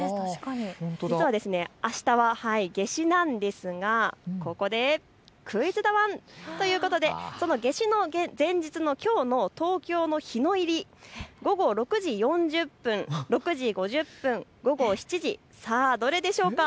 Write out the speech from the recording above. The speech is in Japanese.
実はあしたは夏至なんですがここでクイズだワン。ということで夏至の前日のきょうの東京の日の入り、午後６時４０分、６時５０分、午後７時、さあ、どれでしょうか。